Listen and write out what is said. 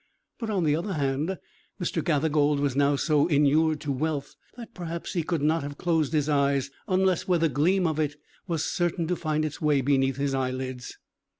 But, on the other hand, Mr. Gathergold was now so inured to wealth, that perhaps he could not have closed his eyes unless where the gleam of it was certain to find its way beneath his eyelids.